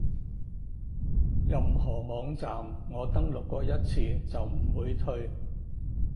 任何網站我登錄過一次就唔會退